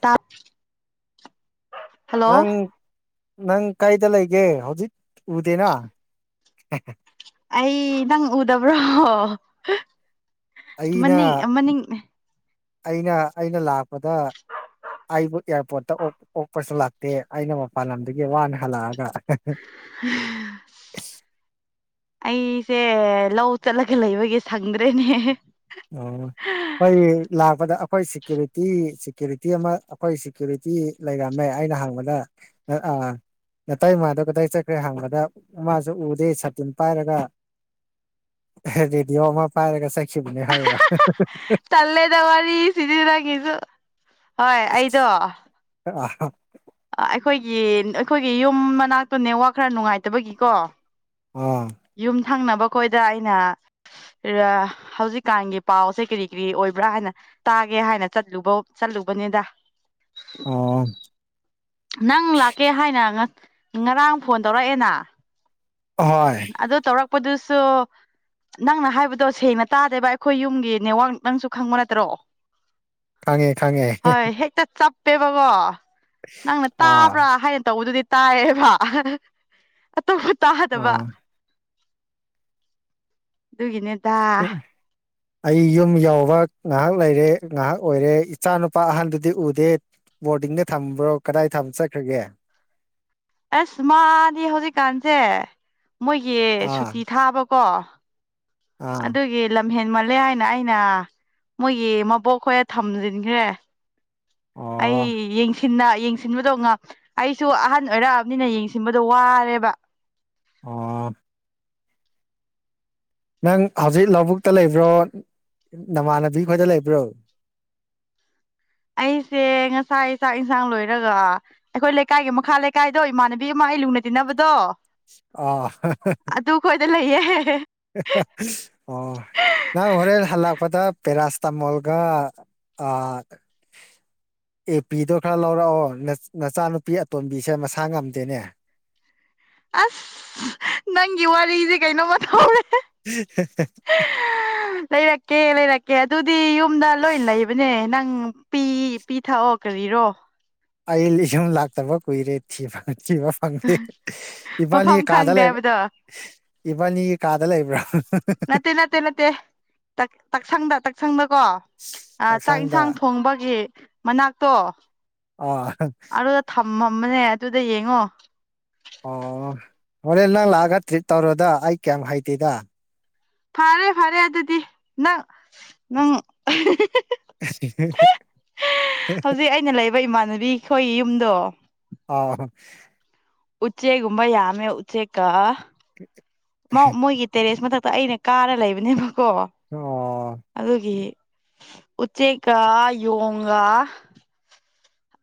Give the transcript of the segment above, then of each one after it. ꯇꯥꯞ ꯍꯜꯂꯣ ꯅꯪ ꯅꯪ ꯀꯥꯏꯗ ꯂꯩꯒꯦ ꯍꯧꯖꯤꯛ ꯎꯗꯦꯅ ꯑꯩ ꯅꯪ ꯎꯗꯕ꯭ꯔꯣ꯫ ꯑꯩꯅ ꯃꯅꯤꯡ ꯃꯅꯤꯡ ꯑꯩꯅ ꯑꯩꯅ ꯂꯥꯛꯄꯗ ꯑꯩꯕꯨ ꯑꯦꯌꯥꯔꯄꯣꯔꯠꯇ ꯑꫭꯛ ꯑꯣꯛꯄꯁꯨ ꯂꯥꯛꯇꯦ ꯑꯩꯅ ꯃꯄꯥꯟ ꯂꯝꯗꯒꯤ ꯋꯥꯅ ꯍꯜꯂꯛꯑꯒ [inaudible] ꯏꯁ ꯑꯩꯁꯦ ꯂꯧ ꯆꯠꯂꯒ ꯂꯩꯕꯒꯤ ꯁꯪꯗ꯭ꯔꯦꯅꯦꯍꯦ ꯑꯣ ꯑꯩꯥꯏ ꯂꯥꯛꯄꯗ ꯑꯩꯈꯣꯏ ꯁꯦꯀ꯭ꯌꯨꯔꯤꯇꯤ ꯁꯦꯀ꯭ꯌꯨꯔꯤꯇꯤ ꯑꯃ ꯑꯩꯈꯣꯏ ꯁꯦꯀ꯭ꯌꯨꯔꯤꯇꯤ ꯂꯩꯔꯝꯃꯦ ꯑꯩꯅ ꯍꯪꯕꯗ ꯑꯥꯛ ꯑꯥ ꯅꯇꯩ ꯃꯥꯥꯗꯣ ꯀꯗꯥꯏ ꯆꯠꯈ꯭ꯔꯦ ꯍꯥꯡꯕꯗ ꯃꯥꯁꯨ ꯎꯗꯦ ꯁꯥꯇꯤꯟ ꯄꯥꯏꯔꯒ ꯍꯦ ꯔꯦꯗꯤꯑꯣ ꯑꯃ ꯄꯥꯏꯔꯒ ꯆꯠꯈꯤꯕꯅꯦ ꯍꯥꯏꯕ ꯇꯜꯂꯦꯗ ꯋꯥꯔꯤꯁꯤꯗꯤ ꯅꯪꯒꯤꯁꯨ ꯍꯣꯏ ꯑꯩꯗꯣ [unintelligible] ꯑꯩꯈꯣꯏꯒꯤ ꯑꯩꯈꯣꯏꯒꯤ ꯌꯨꯝ ꯃꯅꯥꯛꯇꯨ ꯅꯦꯠꯋꯥꯔꯛ ꯈꯔ ꯅꯨꯡꯉꯥꯏꯇꯕꯒꯤꯀꯣ ꯑꯥ ꯌꯨꯝ ꯊꯪꯅꯕꯈꯣꯏꯗ ꯑꯩꯅ ꯍꯧꯖꯤꯛꯀꯥꯟꯒꯤ ꯄꯥꯎꯁꯦ ꯀꯔꯤ ꯀꯔꯤ ꯑꯣꯏꯕ꯭ꯔꯥ ꯍꯥꯏꯅ ꯇꯥꯒꯦ ꯍꯥꯏꯅ ꯆꯠꯂꯨꯕꯧ ꯆꯠꯂꯨꯕꯅꯤꯗ ꯑꯣ ꯅꯪ ꯂꯥꯛꯀꯦ ꯍꯥꯏꯅ ꯉꯔꯥꯡ ꯐꯣꯟ ꯇꯧꯔꯛꯑꯦꯅ ꯍꯣꯏ ꯑꯗꯨ ꯇꯧꯔꯛꯄꯗꯁꯨ ꯅꯪꯅ ꯍꯥꯏꯕꯗꯣ ꯁꯦꯡꯅ ꯇꯥꯗꯦꯕ ꯑꯩꯈꯣꯏ ꯌꯨꯝꯒꯤ ꯅꯦꯠꯋꯥꯛ ꯅꯪꯁꯨ ꯈꯪꯕ ꯅꯠꯇ꯭ꯔꯣ ꯈꯪꯉꯦ ꯈꯪꯉꯦ ꯍꯣꯏ ꯍꯦꯛꯇ ꯆꯞꯄꯦꯕꯀꯣ ꯅꯪꯅ ꯑꯥ ꯇꯥꯕ꯭ꯔꯥ ꯍꯥꯏꯅ ꯇꯧꯕꯗꯨꯗꯤ ꯇꯥꯏꯌꯦꯕ ꯑꯇꯣꯞꯄ ꯇꯥꯗꯕ ꯑꯥ ꯑꯗꯨꯒꯤꯅꯦ [unintelligible] ꯑꯩ ꯌꯨꯝ ꯌꯧꯕ ꯉꯥꯏꯍꯥꯛ ꯂꯩꯔꯦ ꯉꯥꯏꯍꯥꯛ ꯑꯣꯏꯔꯦ ꯏꯆꯥ ꯅꯨꯄꯥ ꯑꯍꯟꯗꯨꯗꯤ ꯎꯗꯦ ꯕꯣꯔꯗꯤꯡꯗ ꯊꯝꯕ꯭ꯔꯣ ꯀꯗꯥꯏ ꯊꯝ ꯆꯠꯈ꯭ꯔꯒꯦ ꯑꯁ ꯃꯥꯗꯤ ꯍꯧꯖꯤꯛꯀꯥꯟꯁꯦ ꯃꯣꯏꯒꯤ ꯑꯥ ꯁꯨꯇꯤ ꯊꯥꯕꯀꯣ ꯑꯥ ꯑꯗꯨꯒꯤ ꯂꯝꯍꯦꯟꯃꯜꯂꯦ ꯍꯥꯏꯅ ꯑꯩꯅ ꯃꯣꯏꯒꯤ ꯃꯕꯣꯛꯈꯣꯏꯗ ꯊꯝꯖꯤꯟꯈ꯭ꯔꯦ ꯑꯩ ꯑꯣ ꯌꯦꯡꯁꯤ [unintelligible] ꯌꯦꯡꯁꯤꯟꯕꯗꯣ ꯉꯝ ꯑꯩꯁꯨ ꯑꯍꯟ ꯑꯣꯏꯔꯛꯑꯕꯅꯤꯅ ꯌꯦꯡꯁꯤꯟꯕꯗꯣ ꯋꯥꯔꯦꯕ ꯑꯣ ꯅꯪ ꯍꯧꯖꯤꯛ ꯂꯧꯕꯨꯛꯇ ꯂꯩꯕ꯭ꯔꯣ ꯅꯃꯥꯟꯅꯕꯤ ꯈꯣꯏꯗ ꯂꯩꯕ꯭ꯔꯣ ꯑꯩꯁꯦ ꯉꯁꯥꯏ ꯆꯥꯛ ꯏꯟꯁꯥꯡ ꯂꯣꯏꯔꯒ ꯑꯩꯈꯣꯏ ꯂꯩꯀꯥꯏꯒꯤ ꯃꯈꯥ ꯂꯩꯀꯥꯏꯗꯣ ꯏꯃꯥꯟꯅꯕꯤ ꯑꯃ ꯑꯩ ꯂꯨꯅ ꯇꯤꯟꯅꯕꯗꯣ ꯑꯥ ꯑꯗꯨꯈꯣꯏꯗ ꯂꯩꯌꯦ ꯑꯣ ꯅꯪ ꯍꯣꯔꯦꯟ ꯍꯜꯂꯛꯄꯗ ꯄꯦꯔꯥꯁꯤꯇꯃꯣꯟꯒ ꯑꯥ ꯑꯦ ꯄꯤꯗꯣ ꯈꯔ ꯂꯧꯔꯛꯑꯣ ꯅ ꯅꯆꯥꯅꯨꯄꯤ ꯑꯇꯣꯝꯕꯤꯁꯦ ꯃꯁꯥ ꯉꯝꯗꯦꯅꯦ ꯑꯁ ꯅꯪꯒꯤ ꯋꯥꯔꯤꯖꯦ ꯀꯩꯅꯣꯝꯃ ꯇꯧꯔꯦ [unintelligible] ꯂꯩꯔꯛꯀꯦ ꯂꯩꯔꯛꯀꯦ ꯑꯗꯨꯗꯤ ꯌꯨꯝꯗ ꯂꯣꯏ ꯂꯩꯕꯅꯦ ꯅꯪ ꯄꯤ ꯄꯤ ꯊꯛꯑꯣ ꯀꯔꯤꯔꯣ ꯑꯩ [unintelligible] ꯂꯥꯛꯇꯕ ꯀꯨꯏꯔꯦ ꯊꯤꯕ ꯊꯤꯕ ꯐꯪꯗꯦ ꯏꯕꯥꯅꯤ ꯃꯐꯝ ꯀꯥꯗ ꯈꯪꯗꯦ ꯂꯩꯕ꯭ꯔꯥ ꯍꯥꯏꯕꯗꯣ ꯏꯕꯥꯅꯤꯒꯤ ꯀꯥꯗ ꯂꯩꯕ꯭ꯔꯥ ꯅꯠꯇꯦ ꯅꯠꯇꯦ ꯅꯠꯇꯦ ꯇꯥꯛꯁꯪꯗ ꯇꯥꯛꯁꯪꯗꯀꯣ ꯑꯥ ꯆꯥꯛ ꯆꯥꯛꯁꯥꯡꯗ ꯏꯟꯁꯥꯡ ꯊꯣꯡꯕꯒꯤ ꯃꯅꯥꯛꯇꯣ ꯑꯥ ꯍꯣꯏ ꯑꯗꯨꯗ ꯊꯝꯃꯝꯕꯅꯦ ꯑꯗꯨꯗ ꯌꯦꯡꯉꯣ ꯑꯣ ꯍꯣꯔꯦꯟ ꯅꯪ ꯂꯥꯛꯑꯒ ꯇ꯭ꯔꯤꯠ ꯇꯧꯔꯣꯗ ꯑꯩ ꯀꯩꯝ ꯍꯩꯇꯦꯗ ꯐꯥꯔꯦ ꯐꯔꯦ ꯑꯗꯨꯗꯤ ꯅꯪ ꯅꯪ [unintelligible] ꯍꯧꯖꯤꯛ ꯑꯩꯅ ꯂꯩꯕ ꯏꯃꯥꯟꯅꯕꯤ ꯈꯣꯏꯒꯤ ꯌꯨꯝꯗꯣ ꯑꯥ ꯎꯆꯦꯛꯒꯨꯝꯕ ꯌꯥꯝꯃꯦ ꯎꯆꯦꯛꯀꯥ ꯃꯥꯎ ꯃꯣꯏꯒꯤ ꯇꯦꯔꯦꯁ ꯃꯊꯛꯇ ꯑꯩꯅ ꯀꯥꯔꯥ ꯂꯩꯕꯅꯦꯕꯀꯣ ꯑꯣ ꯑꯗꯨꯒꯤ ꯎꯆꯦꯛꯀꯥ ꯌꯣꯡꯒꯥ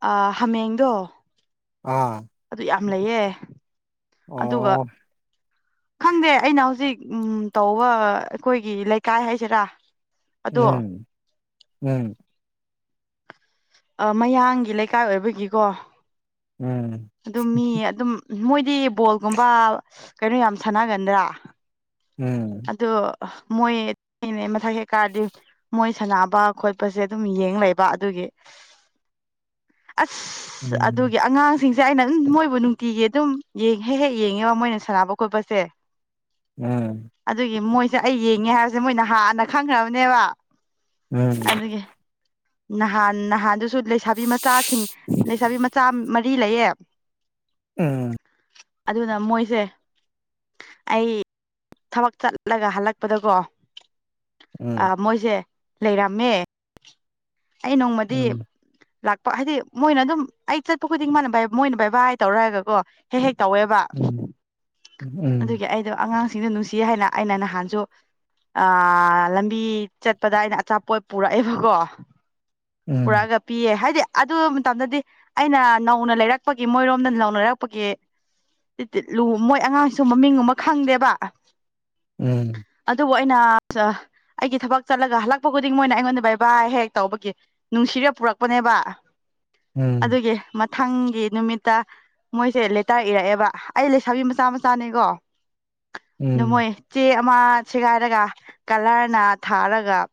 ꯑꯥ ꯍꯥꯃꯦꯡꯗꯣ ꯑꯥ ꯑꯗꯨ ꯌꯥꯝ ꯂꯩꯌꯦ ꯑꯗꯨꯒ ꯑꯣ ꯈꯪꯗꯦ ꯑꯩꯅ ꯍꯧꯖꯤꯛ ꯎꯝ ꯇꯧꯕ ꯑꯩꯈꯣꯏꯒꯤ ꯂꯩꯀꯥꯏ ꯍꯥꯏꯁꯤꯔꯥ ꯑꯗꯣ ꯎꯝ ꯎꯝ ꯑ ꯃꯌꯥꯡꯒꯤ ꯂꯩꯀꯥꯏ ꯑꯣꯏꯕꯒꯤꯀꯣ ꯎꯝ ꯑꯗꯨꯝ ꯃꯤ ꯑꯗꯨꯝ ꯃꯣꯏꯗꯤ ꯕꯣꯜꯒꯨꯝꯕ ꯀꯩꯅꯣ ꯌꯥꯝ ꯁꯥꯟꯅꯒꯟꯗ꯭ꯔꯥ ꯎꯝ ꯑꯗ ꯃꯣꯏ [unintelligible] ꯃꯊꯛ ꯍꯦꯛ ꯀꯥꯔꯗꯤ ꯃꯣꯏ ꯁꯥꯟꯅꯕ ꯈꯣꯠꯄꯁꯦ ꯑꯗꯨꯝ ꯌꯦꯡ ꯂꯩꯕ ꯑꯗꯨꯒꯤ ꯑꯁ ꯎꯝ ꯑꯗꯨꯒꯤ ꯑꯉꯥꯡ ꯁꯤꯡꯁꯦ ꯑꯩꯅ ꯑꯗꯨꯝ ꯃꯣꯏꯕꯨ ꯅꯨꯡꯇꯤꯒꯤ ꯑꯗꯨꯝ ꯌꯦꯡ ꯍꯦꯛ ꯍꯦꯛ ꯌꯦꯡꯉꯦꯕ ꯃꯣꯏꯅ ꯁꯥꯟꯅꯕ ꯈꯣꯠꯄꯁꯦ ꯎꯝ ꯑꯗꯨꯒꯤ ꯃꯣꯏꯁꯦ ꯑꯩ ꯌꯦꯡꯉꯦ ꯍꯥꯏꯕꯁꯦ ꯃꯣꯏ ꯅꯍꯥꯟꯅ ꯈꯪꯈ꯭ꯔꯕꯅꯦꯕ ꯎꯝ ꯑꯗꯨꯒꯤ ꯅꯍꯥꯟ ꯅꯍꯥꯟꯗꯨꯁꯨ ꯂꯩꯁꯥꯕꯤ ꯃꯆꯥꯁꯤꯡ ꯂꯩꯁꯥꯕꯤ ꯃꯆꯥ ꯃꯔꯤ ꯂꯩꯌꯦ ꯎꯝ ꯑꯗꯨꯅ ꯃꯣꯏꯁꯦ ꯑꯩ ꯊꯕꯛ ꯆꯠꯂꯒ ꯍꯜꯂꯛꯄꯗꯀꯣ ꯑ ꯎꯝ ꯃꯣꯏꯁꯦ ꯂꯩꯔꯝꯃꯦ ꯑꯩ ꯎꯝ ꯅꯣꯡꯃꯗꯤ ꯎꯝ ꯂꯥꯛꯄ ꯍꯥꯏꯗꯤ ꯃꯣꯏꯅ ꯑꯗꯨꯝ ꯑꯩ ꯆꯠꯄ ꯈꯨꯗꯤꯡ ꯃꯥꯅ ꯚꯩ ꯃꯣꯏꯅ ꯚꯩꯕꯥꯏ ꯇꯧꯔꯣꯏ ꯍꯥꯏꯔꯒꯀꯣ ꯍꯦꯛ ꯍꯦꯛ ꯇꯧꯋꯦꯕ ꯎꯝ ꯎꯝ ꯎꯝ ꯑꯗꯨꯒꯤ ꯑꯩꯗꯣ ꯑꯉꯥꯡꯁꯤꯡꯗꯣ ꯅꯨꯡꯁꯤꯌꯦ ꯍꯥꯏꯅ ꯑꯩꯅ ꯅꯍꯥꯟꯁꯨ ꯑꯥ ꯂꯝꯕꯤ ꯆꯠꯄꯗ ꯑꯩꯅ ꯑꯆꯥꯄꯣꯠ ꯄꯨꯔꯛꯑꯦꯕꯀꯣ ꯎꯝ ꯄꯨꯔꯛꯑꯒ ꯄꯤꯌꯦ ꯍꯥꯏꯗꯤ ꯑꯗꯨ ꯃꯇꯝꯗꯗꯤ ꯑꯩꯅ ꯅꯧꯅ ꯂꯩꯔꯛꯄꯒꯤ ꯃꯣꯏꯔꯣꯝꯗ ꯅꯧꯅ ꯂꯩꯔꯛꯄꯒꯤ ꯇꯤꯇꯤꯠ ꯂꯨ ꯃꯣꯏ ꯑꯉꯥꯡꯁꯨ ꯃꯃꯤꯡꯒꯨꯝꯕ ꯈꯪꯗꯦꯕ ꯎꯝ ꯑꯗꯨꯕꯨ ꯑꯩꯅ ꯆ ꯑꯩꯒꯤ ꯊꯕꯛ ꯆꯠꯂꯒ ꯍꯜꯂꯛꯄ ꯈꯨꯗꯤꯡ ꯃꯣꯏꯅ ꯑꯩꯉꯣꯟꯗ ꯚꯥꯏ ꯚꯥꯏ ꯍꯦꯛ ꯇꯧꯕꯒꯤ ꯅꯨꯡꯁꯤꯔ ꯄꯨꯔꯛꯄꯅꯦꯕ ꯑꯗꯨꯒꯤ ꯃꯠ ꯊꯪꯒꯤ ꯅꯨꯃꯤꯠꯇ ꯃꯣꯏꯁꯦ ꯂꯩꯇ꯭ꯔ ꯏꯔꯛꯑꯦꯕ ꯑꯩ ꯂꯩꯁꯥꯕꯤ ꯃꯆꯥ ꯆꯥꯅꯤꯀꯣ ꯑꯗꯨ ꯃꯣꯏ ꯆꯦ ꯑꯃ ꯁꯦꯒꯥꯏꯔꯒ ꯀꯂ꯭ꯔꯅ ꯊꯥꯔꯒ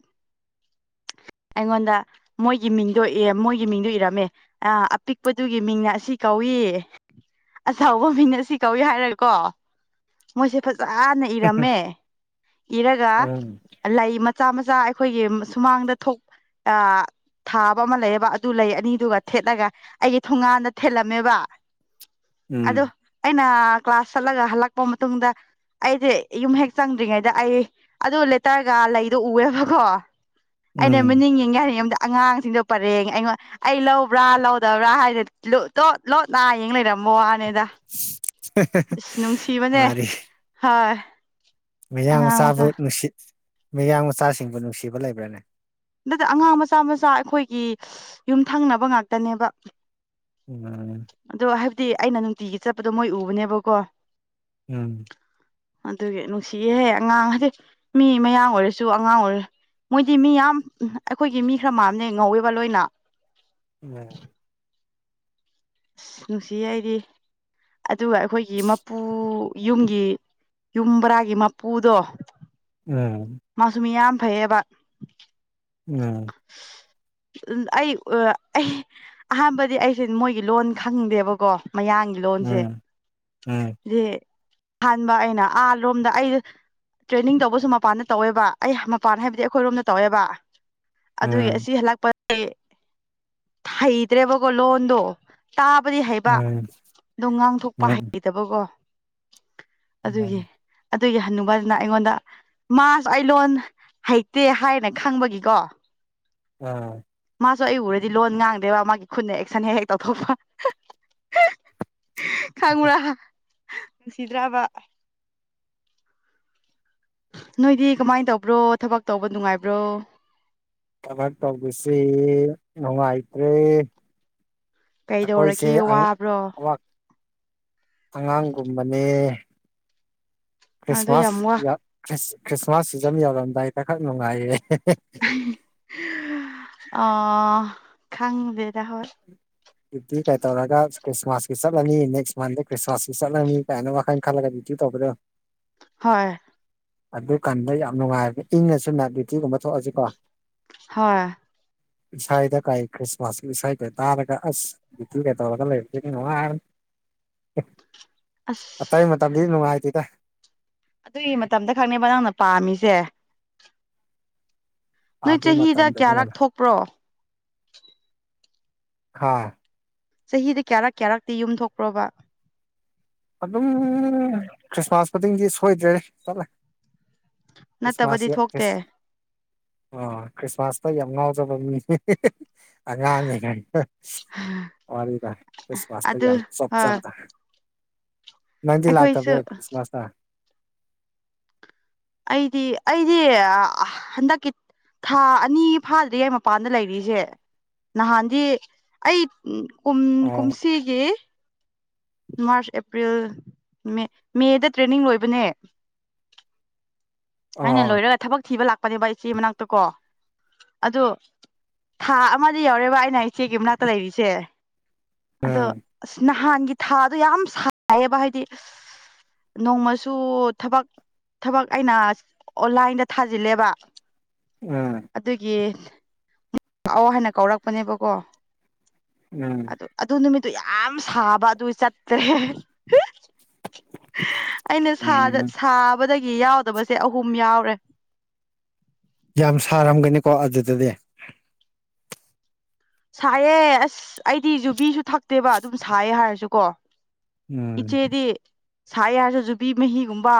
ꯑꯩꯉꯣꯟꯗ ꯃꯣꯏꯒꯤ ꯃꯤꯡꯗꯣ ꯑꯦ ꯃꯣꯏꯒꯤ ꯃꯤꯡꯗꯣ ꯏꯔꯝꯃꯦ ꯑ ꯑꯄꯤꯛꯄꯗꯨꯒꯤ ꯃꯤꯡ ꯑꯁꯤ ꯀꯧꯏ ꯑꯆꯧꯕ ꯃꯤꯡꯅ ꯑꯁꯤ ꯀꯧꯏ ꯍꯥꯏꯔꯒ ꯀꯣ ꯃꯣꯏꯁꯦ ꯐꯖꯅ ꯏꯔꯝꯃꯦ ꯏꯔꯒ ꯎꯝ ꯂꯩ ꯃꯆꯥ ꯃꯆꯥ ꯑꯩꯈꯣꯏꯒꯤ ꯁꯨꯃꯥꯡꯗ ꯊꯣꯛ ꯑ ꯊꯥꯕ ꯑꯃ ꯂꯩꯑꯕ ꯑꯗꯨ ꯂꯩ ꯑꯅꯤꯗꯨꯒ ꯊꯦꯠꯂꯒ ꯑꯩꯒꯤ ꯊꯣꯡꯉꯥꯟꯗ ꯊꯦꯠꯂꯝꯃꯦꯕ ꯑꯗꯨ ꯎꯝ ꯑꯩꯅ ꯀ꯭ꯂꯥꯁ ꯆꯠꯂꯒ ꯍꯜꯂꯛꯄ ꯃꯇꯨꯡꯗ ꯑꯩꯗꯤ ꯌꯨꯝ ꯍꯦꯛ ꯆꯪꯗ꯭ꯔꯤꯉꯩꯗ ꯑꯩ ꯑꯗꯨ ꯂꯦꯇꯔꯒ ꯂꯩꯗꯣ ꯎꯑꯦꯕꯀꯣ ꯑꯩꯅ ꯎꯝ ꯃꯤꯅꯤꯡ ꯌꯦꯡꯒꯦ ꯑꯝꯇ ꯑꯉꯥꯡꯁꯤꯡꯗꯣ ꯄꯔꯦꯡ ꯑꯩꯉꯣꯟ ꯑꯩ ꯂꯧꯕ꯭ꯔꯥ ꯂꯧꯗꯕ꯭ꯔꯥ ꯍꯥꯏꯅ ꯇꯣꯠ ꯂꯣꯠ ꯅꯥ ꯌꯦꯡ ꯂꯩꯔꯝꯕ ꯋꯥꯅꯤꯗ ꯏꯁ ꯅꯨꯡꯁꯤꯕꯅꯦ ꯃꯥꯅꯦ ꯍꯣꯏ ꯃꯌꯥꯡ ꯑꯉꯥꯡ ꯃꯆꯥꯕꯨ ꯃꯆꯥ ꯅꯨꯡꯁꯤ ꯃꯌꯥꯡ ꯃꯆꯥꯁꯤꯡꯕꯨ ꯅꯨꯡꯁꯤꯕ ꯂꯩꯕ꯭ꯔꯥꯅꯦ ꯑꯗꯨꯗ ꯑꯉꯥꯡ ꯃꯆꯥ ꯃꯆꯥ ꯑꯩꯈꯣꯏꯒꯤ ꯌꯨꯝ ꯊꯪꯅꯕ ꯉꯥꯛꯇꯅꯦꯕ ꯎꯝ ꯑꯗꯣ ꯍꯥꯏꯕꯗꯤ ꯑꯩꯅ ꯅꯨꯡꯇꯤꯒꯤ ꯆꯠꯄꯗꯣ ꯃꯣꯏ ꯎꯕꯅꯦꯕꯀꯣ ꯎꯝ ꯑꯗꯨꯒꯤ ꯅꯨꯡꯁꯤꯌꯦ ꯑꯉꯥꯡ ꯍꯥꯢꯗꯤ ꯃꯤ ꯃꯌꯥꯡ ꯑꯣꯏꯔꯁꯨ ꯑꯉꯥꯡ ꯑꯣꯏꯔꯁꯨ ꯃꯣꯏꯗꯤ ꯃꯤ ꯌꯥꯝ ꯑꯩꯈꯣꯏꯒꯤ ꯃꯤ ꯈꯔ ꯃꯥꯜꯂꯦꯕ ꯉꯧꯋꯦꯕ ꯂꯣꯏꯅ ꯎꯝ ꯑꯁ ꯅꯨꯡꯁꯤꯌꯦ ꯑꯩꯗꯤ ꯑꯗꯨꯒ ꯑꯩꯈꯣꯏꯒꯤ ꯃꯄꯨ ꯌꯨꯝꯒꯤ ꯌꯨꯝ ꯕꯔꯥꯒꯤ ꯃꯄꯨꯗꯣ ꯎꯝ ꯃꯥꯁꯨ ꯃꯤ ꯌꯥꯝ ꯐꯩꯌꯦꯕ [inaudible] ꯑꯩ ꯑꯩ ꯑꯍꯥꯟꯕꯗꯤ ꯑꯩꯁꯦ ꯃꯣꯏꯒꯤ ꯂꯣꯟ ꯈꯪꯗꯦꯕꯀꯣ ꯃꯌꯥꯡꯒꯤ ꯎꯝ ꯂꯣꯟꯁꯦ ꯎꯝ ꯎꯝ ꯁꯤ ꯑꯍꯥꯟꯕ ꯑꯩꯅ ꯑꯥ ꯂꯣꯝꯗ ꯑꯩ ꯇ꯭ꯔꯦꯅꯤꯡ ꯇꯧꯕꯁꯨ ꯃꯄꯥꯟꯗ ꯇꯧꯋꯦꯕ ꯑꯩ ꯃꯄꯥꯟ ꯍꯥꯏꯕꯗꯤ ꯑꯩꯈꯣꯏꯔꯣꯝꯗ ꯇꯧꯋꯦꯕ ꯑꯗꯨꯒꯤ ꯑꯁꯤ ꯍꯜꯂꯛꯄ ꯑꯦ ꯍꯩꯗ꯭ꯔꯦꯕꯒꯣ ꯂꯣꯟꯗꯣ ꯇꯥꯕꯗꯤ ꯍꯩꯕ ꯎꯝ ꯑꯗꯨ ꯎꯝ ꯉꯥꯡꯊꯣꯛꯄꯗꯤ ꯎꯝ ꯍꯩꯇꯕꯀꯣ ꯑꯗꯨꯒꯤ ꯑꯗꯨꯒꯤ ꯍꯟꯅꯨꯕꯗꯨꯅ ꯑꯩꯉꯣꯟꯗ ꯃꯥꯁꯨ ꯑꯩ ꯂꯣꯟ ꯍꯩꯇꯦ ꯍꯥꯏꯅ ꯈꯪꯕꯒꯤꯀꯣ ꯑꯝ ꯃꯥꯁꯨ ꯑꯩ ꯎꯔꯗꯤ ꯂꯣꯟ ꯉꯥꯡꯗꯦꯕ ꯃꯥꯒꯤ ꯈꯨꯠꯅ ꯑꯦꯛꯁꯟ ꯍꯦꯛ ꯍꯦꯛ ꯇꯧꯊꯣꯛꯄ [inaudible] ꯈꯪꯕ꯭ꯔꯥ ꯅꯨꯡꯁꯤꯗ꯭ꯔꯕ ꯅꯣꯏꯗꯤ ꯀꯃꯥꯏꯅ ꯇꯧꯕ꯭ꯔꯣ ꯊꯕꯛ ꯇꯧꯕ ꯅꯨꯡꯉꯥꯏꯕ꯭ꯔꯣ ꯊꯕꯛ ꯇꯧꯕꯁꯦ ꯅꯨꯡꯉꯥꯏꯇ꯭ꯔꯦ ꯑꯩꯈꯣꯏꯁꯦ ꯀꯩꯗꯧꯔꯒꯦ ꯋꯥꯕ꯭ꯔꯣ ꯑꯉꯥꯡꯒꯨꯝꯕꯅꯦ ꯑꯗꯨ ꯌꯥꯝ ꯋꯥ ꯈ꯭ꯔꯤꯁꯃꯥꯁ ꯈ꯭ꯔꯤꯁꯃꯥꯁ ꯁꯤꯖꯥꯟ ꯌꯧꯔꯝꯗꯥꯏꯗ ꯈꯛ ꯅꯨꯡꯉꯥꯏꯌꯦ ꯑꯥ ꯈꯪꯗꯦꯗꯥ ꯍꯣꯢ ꯀꯩ ꯇꯧꯔꯒ ꯈ꯭ꯔꯤꯁꯃꯥꯁꯀꯤ ꯆꯠꯂꯃꯤ ꯅꯦꯛꯁ ꯃꯥꯟꯁꯇ ꯈ꯭ꯔꯤꯁꯃꯥꯁꯀꯤ ꯆꯠꯂꯅꯤ ꯀꯥꯢꯅ ꯋꯈꯥꯜ ꯈꯜꯂꯒ ꯗꯤꯌꯨꯇꯤ ꯇꯧꯕꯗꯣ ꯍꯣꯏ ꯑꯗꯨ ꯀꯥꯟꯗ ꯌꯥꯝ ꯅꯨꯡꯉꯥꯏꯕꯅꯦ ꯏꯪꯉꯁꯨ ꯅꯥꯟꯠ ꯗ꯭ꯤꯌꯨꯇꯤꯒꯨꯝꯕ ꯊꯣꯛꯑꯁꯨꯀꯣ ꯍꯣꯏ ꯏꯁꯥꯗ ꯀꯥꯏ [unintelligible] ꯈ꯭ꯔꯤꯁꯃꯥꯁ ꯏꯁꯩꯗ ꯅꯥꯔꯒ [unintelligible] ꯑꯁ ꯑꯗꯨꯒ ꯇꯧꯔꯒ ꯂꯩꯕꯗꯤ ꯅꯨꯡꯉꯥꯢꯔꯦ ꯑꯁ ꯑꯥꯇꯩ ꯃꯇꯝꯗꯤ ꯅꯨꯡꯉꯥꯏꯇꯦꯗ ꯑꯗꯨꯒꯤ ꯃꯇꯝꯗ ꯈꯛꯅꯦꯕ ꯅꯪꯅ ꯄꯥꯝꯃꯤꯁꯦ ꯅꯣꯏ ꯑꯗꯨ ꯆꯍꯤꯗ ꯃꯇꯝꯗꯅꯤ ꯀꯌꯥꯔꯛ ꯀꯩꯅꯣ ꯊꯣꯛꯄ꯭ꯔꯣ ꯍꯥꯥ ꯆꯍꯤꯗ ꯀꯌꯥꯔꯛ ꯀꯌꯥꯔꯛꯇꯤ ꯌꯨꯝ ꯊꯣꯛꯄ꯭ꯔꯣꯕ ꯑꯗꯨꯝ ꯈ꯭ꯔꯤꯁꯃꯥꯁ ꯈꯨꯗꯤꯡꯒꯤ ꯁꯣꯏꯗ꯭ꯔꯦ ꯆꯠꯂꯦ ꯅꯠꯇꯕꯗꯤ ꯈ꯭ꯔꯤꯁꯃꯥꯁꯁꯦ ꯊꯣꯛꯇꯦ ꯈ꯭ꯔꯤꯁ ꯑ ꯈ꯭ꯔꯤꯁꯃꯥꯁꯇ ꯌꯥꯝ ꯉꯥꯎꯖꯕ ꯃꯤ ꯍ ꯍ ꯑꯉꯥꯡ [unintelligible] ꯋꯥꯔꯤꯗꯣ ꯈ꯭ꯔꯤꯁꯃꯥꯁꯇ ꯑꯗꯨ ꯌꯥꯝ ꯍꯣꯏ ꯆꯣꯞꯆꯕꯗꯣ ꯅꯪꯗꯤ ꯑꯩꯈꯣꯏꯁꯨ ꯂꯥꯛꯇꯕ꯭ꯔ ꯈ꯭ꯔꯤꯁꯃꯥꯁꯇ ꯑꯩꯗꯤ ꯑꯩꯗꯤ ꯑꯥ ꯍꯟꯗꯛꯀꯤ ꯊꯥ ꯑꯅꯤ ꯐꯥꯗ꯭ꯔꯤꯌꯦ ꯃꯄꯥꯟꯗ ꯂꯩꯔꯤꯁꯦ ꯅꯍꯥꯟꯗꯤ ꯑꯩ ꯎꯨꯝ ꯀꯨꯝ ꯑꯣ ꯀꯨꯝꯁꯤꯒꯤ ꯃꯥꯔꯆ ꯑꯦꯄ꯭ꯔꯤꯜ ꯃꯦ ꯃꯦꯗ ꯇ꯭ꯔꯦꯅꯤꯡ ꯂꯣꯏꯕꯅꯦ ꯑꯩꯅ ꯑꯣ ꯂꯣꯏꯔꯒ ꯊꯕꯛ ꯊꯤꯕ ꯂꯥꯛꯄꯅꯦꯕ ꯏꯆꯦ ꯃꯅꯥꯛꯇ ꯀꯣ ꯑꯗꯣ ꯊꯥ ꯑꯃꯗꯤ ꯌꯥꯎꯔꯦꯕ ꯑꯩꯅ ꯏꯆꯦꯒꯤ ꯃꯅꯥꯛꯇ ꯂꯩꯔꯤꯁꯦ ꯑꯗꯣ ꯎꯝ ꯑꯁ ꯅꯍꯥꯟꯒꯤ ꯊꯥꯗꯣ ꯌꯥꯝ ꯁꯥꯏꯌꯦꯕ ꯍꯥꯏꯗꯤ ꯅꯣꯡꯃꯁꯨ ꯊꯕꯛ ꯊꯕꯛ ꯑꯩꯅ ꯑꯣꯟꯂꯥꯏꯟꯗ ꯊꯥꯖꯤꯜꯂꯦꯕ ꯎꯨꯝ ꯑꯗꯨꯒꯤ [unintelligible] ꯍꯥꯏꯅ ꯀꯧꯔꯛꯄꯅꯦꯕꯀꯣ ꯎꯝ ꯑꯗꯨ ꯑꯗꯨ ꯅꯨꯃꯤꯠꯇꯨ ꯌꯥꯝ ꯁꯥꯕ ꯑꯗꯨ ꯆꯠꯇ꯭ꯔꯦ ꯑꯩꯅ ꯁꯥꯗ ꯎꯝ ꯁꯥꯕꯗꯒꯤ ꯌꯥꯎꯗꯕꯁꯦ ꯑꯍꯨꯝ ꯌꯥꯎꯔꯦ ꯌꯥꯝ ꯁꯥꯔꯝꯒꯅꯤꯀꯣ ꯑꯗꯨꯗꯗꯤ ꯁꯥꯏꯑꯦ ꯑꯁ ꯑꯩꯗꯤ ꯌꯨꯕꯤꯁꯨ ꯊꯛꯇꯦꯕ ꯑꯗꯨꯝ ꯁꯥꯏꯌꯦ ꯍꯥꯏꯔꯁꯨ ꯀꯣ ꯎꯝ ꯏꯆꯦꯗꯤ ꯁꯥꯏ ꯍꯥꯏꯔꯁꯨ ꯌꯨꯕꯤ ꯃꯍꯤꯒꯨꯝꯕ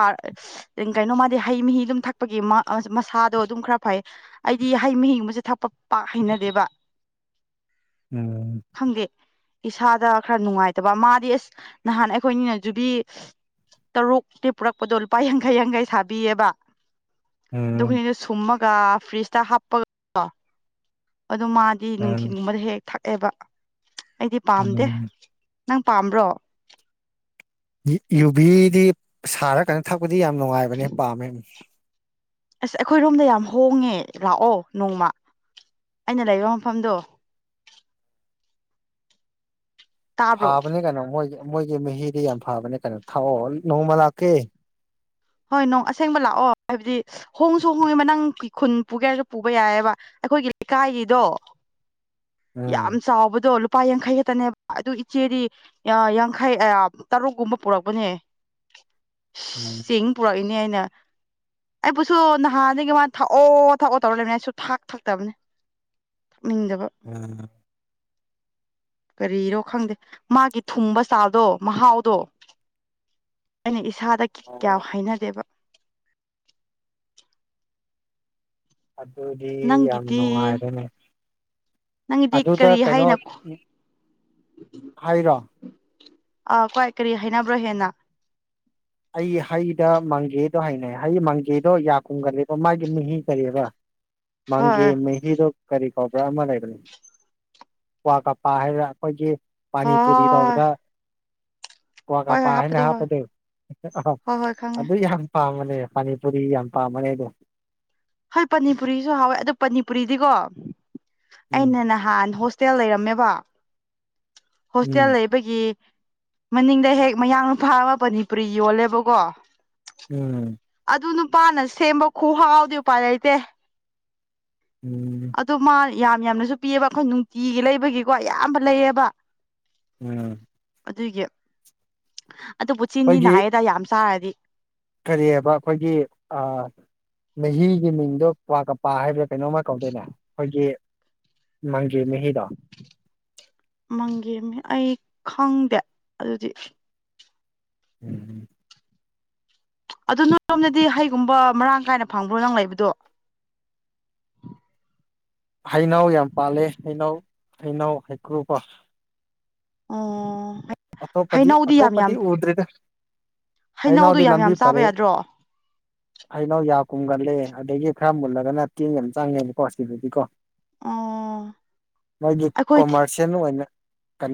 ꯀꯩꯅꯣ ꯃꯥꯗꯤ ꯍꯩ ꯃꯍꯤ ꯑꯗꯨꯝ ꯊꯛꯄꯒꯤ ꯃꯥ ꯃꯁꯥꯗꯣ ꯑꯗꯨꯝ ꯈꯔ ꯐꯩ ꯑꯩꯗꯤ ꯍꯩ ꯃꯍꯤꯒꯨꯝꯕꯁꯦ ꯊꯛꯄ ꯄꯥꯛ ꯍꯩꯅꯗꯦꯕ ꯎꯨꯝ ꯈꯪꯗꯦ ꯏꯁꯥꯗ ꯈꯔ ꯅꯨꯡꯉꯥꯏꯇꯕ ꯃꯥꯗꯤ ꯑꯁ ꯅꯍꯥꯟ ꯑꯩꯈꯣꯏꯅꯤꯅ ꯖꯨꯕꯤ ꯇꯔꯨꯇꯤ ꯄꯨꯔꯛꯄꯗꯣ ꯂꯨꯄꯥ ꯌꯥꯡꯈꯩ ꯌꯥꯡꯈꯩꯗꯤ ꯁꯥꯕꯤꯌꯦꯕ ꯎꯝ [unintelligible] ꯁꯨꯝꯃꯒ ꯐ꯭ꯔꯤꯖꯇ ꯍꯥꯞꯄ ꯑꯗ ꯃꯥꯗꯤ ꯎꯝ ꯅꯨꯡꯊꯤꯟꯒꯨꯝꯕꯗ ꯍꯦꯛ ꯍꯦꯛ ꯊꯛꯑꯦꯕ ꯑꯩꯗꯤ ꯄꯥꯝꯗꯦ ꯎꯝ ꯅꯪ ꯄꯥꯝꯕ꯭ꯔꯣ ꯌꯨ ꯌꯨꯕꯤꯗꯤ ꯁꯥꯔꯀꯥꯟꯅ ꯊꯛꯄꯗꯤ ꯌꯥꯝ ꯅꯨꯡꯉꯥꯏꯕꯅꯦ ꯄꯥꯝꯃꯦ ꯑꯁ ꯑꯩꯈꯣꯏꯔꯣꯝꯗ ꯌꯥꯝ ꯍꯣꯡꯉꯦ ꯂꯥꯛꯑꯣ ꯅꯣꯡꯃ ꯑꯩꯅ ꯂꯩꯕ ꯃꯐꯝꯗꯣ ꯇꯥꯕ꯭ꯔꯣ ꯐꯥꯕꯅꯦ ꯀꯩꯅꯣ ꯃꯣꯏꯒꯤ ꯃꯣꯏꯒꯤ ꯃꯍꯤꯗꯤ ꯌꯥꯝ ꯐꯕꯅꯦ ꯀꯩꯅꯣ ꯊꯥꯛꯑꯣ ꯅꯣꯡꯃ ꯂꯥꯛꯀꯦ ꯍꯣꯏ ꯅꯣꯡ ꯑꯁꯦꯡꯕ ꯂꯥꯛꯑꯣ ꯍꯥꯏꯕꯗꯤ ꯍꯣꯡꯁꯨ ꯍꯣꯡꯉꯦ ꯃ ꯅꯪ ꯈꯨꯟ ꯄꯨꯒꯦ ꯍꯥꯏꯔꯁꯨ ꯄꯨꯕ ꯌꯥꯏꯑꯕ ꯑꯩꯈꯣꯏꯒꯤ ꯂꯩꯀꯥꯏꯒꯤꯗꯣ [inaudible] ꯌꯥꯝꯁꯆꯥꯎꯕꯗꯣ ꯂꯨꯞ ꯂꯨꯄꯥ ꯌꯥꯡꯈꯩ ꯈꯛꯇꯅꯦꯕ ꯑꯗꯨ ꯏꯆꯦꯗꯤ ꯑꯥ ꯌꯥꯡꯈꯩ ꯇꯔꯨꯛꯀꯨꯝꯕ ꯄꯨꯔꯛꯄꯅꯦ ꯎꯨꯝ ꯆꯦꯡ ꯄꯨꯔꯛꯏꯅꯦ ꯑꯩꯅ ꯑꯩꯕꯨꯁꯨ ꯅꯍꯥꯟꯗꯒꯤ ꯃꯥ ꯊꯛꯑꯣ ꯊꯛꯑꯣ ꯇꯧꯔ ꯂꯩꯕꯅꯦ ꯑꯩꯁꯨ ꯁꯨꯛꯊꯛ ꯊꯛꯇꯕꯅꯦ ꯃꯤꯡꯗꯕ ꯎꯝ ꯀꯔꯤꯔꯣ ꯈꯪꯗꯦ ꯃꯥꯒꯤ ꯊꯨꯝꯕ ꯆꯥꯗꯣ ꯃꯍꯥꯎꯗꯣ ꯑꯩꯅ ꯏꯁꯥꯗ ꯀꯌꯥ ꯑꯣ ꯍꯥꯏꯅꯗꯦꯕ ꯑꯗꯨꯗꯤ ꯅꯪꯒꯤꯗꯤ ꯌꯥꯝꯅꯨꯉꯥꯏꯔꯦꯅꯦ ꯅꯪꯒꯤꯗꯤ ꯑꯗꯨꯗ ꯀꯔꯤ ꯀꯩꯅꯣ ꯍꯥꯏꯅ ꯍꯩꯔꯣ ꯑ ꯈ꯭ꯋꯥꯏ ꯀꯔꯤ ꯍꯩꯅꯕ꯭ꯔꯣ ꯍꯦꯟꯅ ꯑꯩ ꯍꯩꯗ ꯃꯡꯒꯦꯗꯣ ꯍꯥꯏꯅꯩ ꯍꯩ ꯃꯡꯒꯦꯗꯣ ꯌꯥ ꯀꯨꯝꯒꯜꯂꯤꯕ ꯃꯥꯒꯤ ꯃꯍꯤ ꯀꯔꯤꯕ ꯃꯪꯒꯦ ꯍꯣꯏ ꯃꯩ ꯍꯤꯗꯨ ꯀꯔꯤ ꯀꯧꯕ꯭ꯔꯥ ꯑꯃ ꯂꯩꯕꯅꯤ ꯀ꯭ꯋꯥ ꯀꯄꯥ ꯍꯥꯏꯕꯔ ꯑꯩꯈꯣꯏꯒꯤ ꯍꯣꯏ ꯍꯣꯏ ꯄꯥꯅꯤꯄꯨꯔꯤ ꯍꯣꯏ ꯇꯧꯕꯗ ꯀ꯭ꯋꯥ ꯍꯣꯏ ꯀꯄꯥ ꯍꯣꯏ ꯍꯥꯏꯅ ꯍꯥꯞꯄꯗꯣ ꯍꯣꯏ ꯍꯥꯞꯄꯗꯨ ꯑ ꯍꯣꯏ ꯍꯣꯏ ꯈꯪꯉꯦ ꯑꯗꯨ ꯌꯥꯝ ꯄꯥꯝꯕꯅꯦ ꯄꯅꯤꯄꯨꯔꯤ ꯌꯥꯝ ꯄꯥꯝꯕꯅꯦ ꯑꯩꯗꯣ ꯍꯣꯏ ꯄꯅꯤꯄꯨꯔꯤꯁꯨ ꯍꯥꯎꯋꯦ ꯑꯗꯣ ꯄꯅꯤꯄꯨꯔꯤꯗꯤꯀꯣ ꯎꯝ ꯑꯩꯅ ꯅꯍꯥꯟ ꯍꯣꯁ ꯍꯣꯁꯇꯦꯜ ꯂꯩꯔꯝꯃꯦꯕ ꯍꯣꯁꯇꯦꯜ ꯎꯝ ꯂꯩꯕꯒꯤ ꯃꯅꯤꯡꯗ ꯍꯦꯛ ꯃꯌꯥꯡꯅ ꯅꯨꯄꯥ ꯑꯃꯥ ꯄꯅꯤꯄꯨꯔꯤ ꯌꯣꯜꯂꯦꯕꯀꯣ ꯎꯝ ꯑꯗꯨ ꯅꯨꯄꯥꯅ ꯁꯦꯝꯕ ꯈꯨꯍꯥꯎꯗꯤ ꯎꯄꯥꯏ ꯂꯩꯇꯦ ꯎꯝ ꯑꯗꯨ ꯃꯥ ꯌꯥꯝ ꯌꯥꯝꯅꯁꯨ ꯄꯤꯌꯦꯕ ꯑꯩꯈꯣꯏ ꯅꯨꯡꯇꯤꯒꯤ ꯂꯩꯕꯒꯤꯀꯣ ꯑꯌꯥꯝꯕ ꯂꯩꯌꯦꯕ ꯎꯝ ꯑꯗꯨꯒꯤ ꯑꯗꯨꯄꯨ ꯆꯤꯟꯗꯤ ꯅꯥꯏꯌꯦꯗ ꯌꯥꯝ ꯆꯥꯔꯗꯤ ꯀꯔꯤꯌꯦꯕ ꯑꯩꯈꯣꯏꯒꯤ ꯃꯍꯤꯒꯤ ꯃꯤꯡꯗꯣ ꯀ꯭ꯋꯥ ꯀꯄꯥ ꯍꯥꯏꯕ ꯀꯩꯅꯣꯝꯃ ꯀꯧꯗꯥꯏꯅꯦ ꯑꯩꯈꯣꯏꯒꯤ ꯃꯪꯒꯦ ꯃꯍꯤꯗꯣ ꯃꯪꯒꯦ ꯃꯍꯤ ꯑꯩ ꯈꯪꯗꯦ ꯑꯗꯨꯗꯤ ꯎꯝ ꯑꯗꯨ ꯅꯔꯣꯝꯗꯗꯤ ꯍꯩꯒꯨꯝꯕ ꯃꯔꯥꯡ ꯀꯥꯏꯅ ꯐꯪꯕ꯭ꯔꯣ ꯅꯪ ꯂꯩꯕꯗꯣ ꯍꯩꯅꯧ ꯌꯥꯝ ꯄꯥꯜꯂꯦ ꯍꯩꯅꯧ ꯍꯩꯅꯧ ꯍꯩꯀ꯭ꯔꯨꯕ ꯑꯣ ꯑꯇꯣꯞꯄꯗꯤ ꯍꯩꯅꯧꯗꯤ ꯌꯥꯝ ꯑꯇꯣꯞꯄꯗꯤ ꯌꯥꯝ ꯎꯗ꯭ꯔꯦꯗ ꯍꯩꯅꯧꯗꯣ ꯍꯩꯅꯧꯗꯤ ꯌꯥꯝ ꯂꯝꯕꯤ ꯌꯥꯝ ꯆꯥꯕ ꯄꯔꯦ ꯌꯥꯗ꯭ꯔꯣ ꯍꯩꯅꯧ ꯌꯥ ꯀꯨꯝꯒꯜꯂꯦ ꯑꯗꯒꯤ ꯈꯔ ꯃꯨꯜꯂꯒꯅ ꯇꯤꯟ ꯌꯥꯝ ꯆꯪꯉꯦꯅꯤꯀꯣ ꯁꯤꯗꯗꯤꯀꯣ ꯑꯣ ꯃꯣꯏꯒꯤ ꯑꯩꯈꯣꯏ ꯀꯣꯃꯔꯁꯦꯜ ꯑꯣꯏꯅ